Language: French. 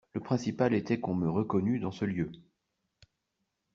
Le principal était qu'on me reconnût dans ce lieu.